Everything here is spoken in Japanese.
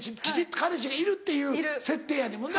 彼氏がいるっていう設定やねんもな。